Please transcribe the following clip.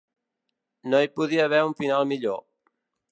No hi podia haver un final millor.